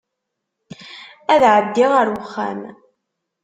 Ad ɛeddiɣ ar wexxam.